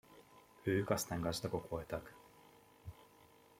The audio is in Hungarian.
Ők aztán gazdagok voltak.